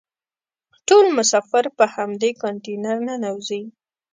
ټول مسافر په همدې کانتینر ننوزي.